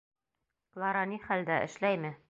Клара ни хәлдә, эшләйме?